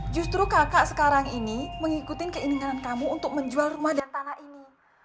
justru kakak sekarang ini mengikuti keinginan kamu untuk menjual rumah dan tanah ini